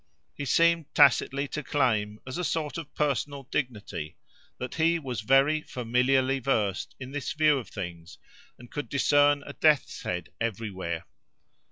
He seemed tacitly to claim as a sort of personal dignity, that he was very familiarly versed in this view of things, and could discern a death's head everywhere.